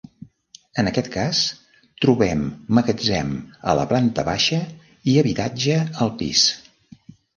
En aquest cas trobem magatzem a la planta baixa i habitatge al pis.